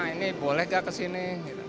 ini boleh gak kesini